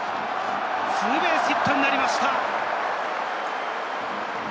ツーベースヒットになりました。